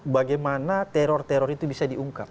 bagaimana teror teror itu bisa diungkap